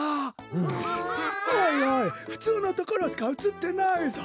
おいおいふつうのところしかうつってないぞ！